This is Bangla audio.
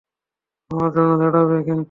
আমার জন্য দাঁড়াবে কিন্তু।